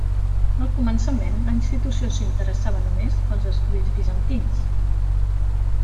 Al començament, la institució s'interessava només pels estudis bizantins.